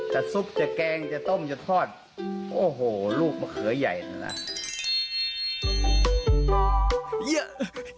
แต่ซุปจะแกงจะต้มจะทอดโอ้โหลูกมะเขือใหญ่นะเยอะ